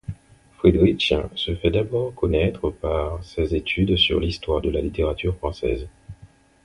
Friedrich se fait d'abord connaître par ses études sur l'histoire de la littérature française.